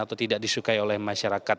atau tidak disukai oleh masyarakat